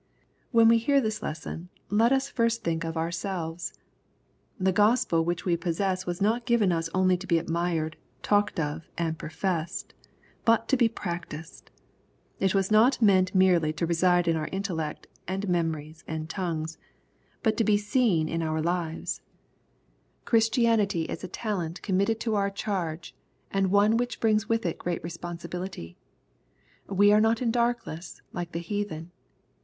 When we hear this lesson, let us first think of our selves. The Gospel which we possess was not given us only to be admired, talked of, and professed, — ^but to be practised. It was not meant merely to reside in our intellect, and memories, and tongues, — ^but to be seen in LUEE^ CHAP. YIII. 257 our lives. Cliristianity is a talent committed to oar chaige^ and one which brings with it great responsibility. We are not in darkness like the heathen.